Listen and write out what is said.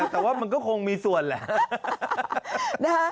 แต่ว่ามันก็คงมีส่วนแหละ